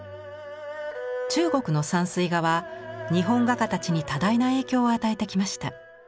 中国の山水画は日本画家たちに多大な影響を与えてきました。